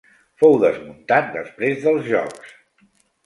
Fou desmuntat després dels Jocs.